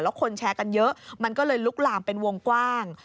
แล้วคนแชร์กันเยอะมันก็เลยลุกลามเป็นวงกว้าง